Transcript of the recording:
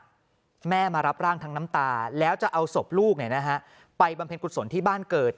แม่มารับร่างทั้งน้ำตาแล้วจะเอาศพลูกไปบำเพ็ญกุศลที่บ้านเกิด